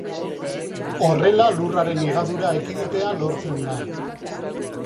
Horrela lurraren higadura ekiditea lortzen da.